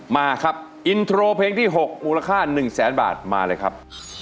มาครับอินโทรเพลงที่๖มูลค่า๑แสนบาทมาเลยครับ